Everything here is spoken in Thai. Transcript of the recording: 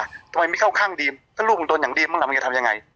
ทำไมไม่เข้าข้างดีมก็ลูกมึงโดนอย่างดีมั้งล่ะมึงจะทำยังไง